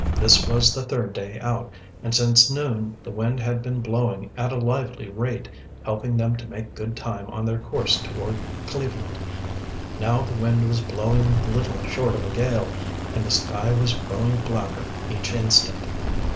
This was the third day out, and since noon the wind had been blowing at a lively rate, helping them to make good time on their course toward Cleveland. Now the wind was blowing little short of a gale, and the sky was growing blacker each instant.